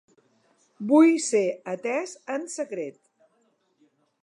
Vull ser atés en secret.